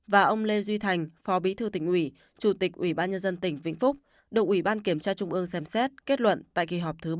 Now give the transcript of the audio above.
và ông lê duy thành phó bí thư tỉnh ủy chủ tịch ủy ban nhân dân tỉnh vĩnh phúc đồng ủy ban kiểm tra trung ương xem xét kết luận tại kỳ họp thứ ba mươi tám